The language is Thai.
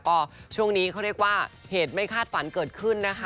ก็ช่วงนี้เขาเรียกว่าเหตุไม่คาดฝันเกิดขึ้นนะคะ